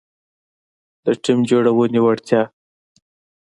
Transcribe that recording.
-د ټیم جوړونې وړتیا